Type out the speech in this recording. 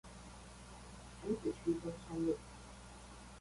潭子區中山路